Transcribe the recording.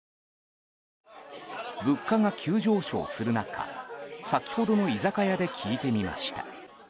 物価が急上昇する中、先ほどの居酒屋で聞いてみました。